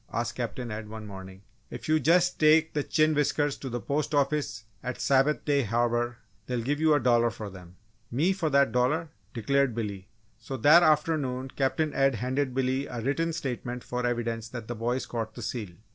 asked Captain Ed, one morning. "If you just take the chin whiskers to the Post Office at Sabbath Day Harbour they'll give you a dollar for them." "Me for that dollar!" declared Billy. So that afternoon Captain Ed handed Billy a written statement for evidence that the boy caught the seal.